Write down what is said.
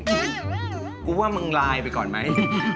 กูว่ามึงไลน์ไปก่อนไหม